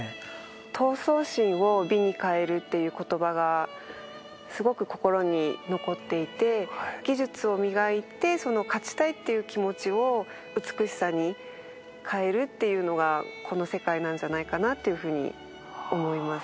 闘争心を美に変えるっていう言葉がすごく心に残っていて技術を磨いてその勝ちたいっていう気持ちを美しさに変えるっていうのがこの世界なんじゃないかなというふうに思います。